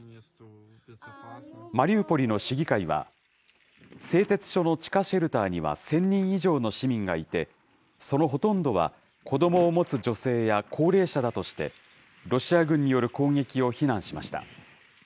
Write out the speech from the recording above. マリウポリの市議会は、製鉄所の地下シェルターには１０００人以上の市民がいて、そのほとんどは子どもを持つ女性や高齢者だとして、ロシア軍による攻撃を非難しました。